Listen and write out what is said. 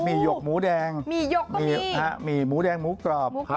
มีหยกหมูแดงมีหยกก็มีฮะมีหมูแดงหมูกรอบหมูกรอบ